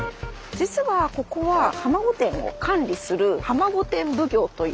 実はここは浜御殿を管理する「浜御殿奉行」という。